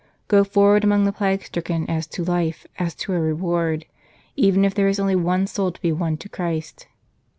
Go forward amongst the plague stricken as to life, as to a reward, even if there is only one soul to be won to Christ.